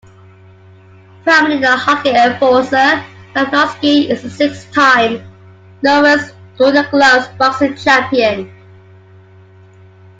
Primarily a hockey enforcer, Yablonski is a six time, novice Golden Gloves boxing champion.